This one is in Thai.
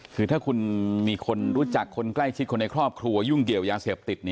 คือถ้าคุณมีคนรู้จักคนใกล้ชิดคนในครอบครัวยุ่งเกี่ยวยาเสพติด